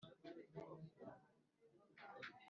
birashobora gukangurwa n’ umutingito